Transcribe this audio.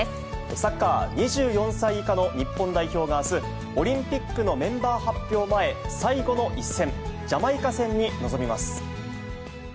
サッカー、２４歳以下の日本代表があす、オリンピックのメンバー発表前、最後の一戦、ジャマイカ戦に臨みます。